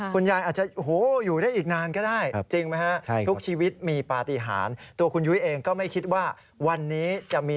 คุณยายอาจจะโหอยู่ได้อีกนานก็ได้